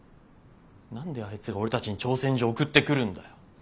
何であいつが俺たちに挑戦状送ってくるんだよ。